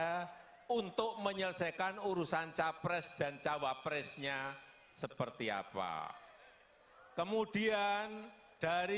ya untuk menyelesaikan urusan capres dan cawapresnya seperti apa kemudian dari